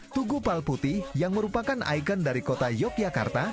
tugu palputi yang merupakan ikon dari kota yogyakarta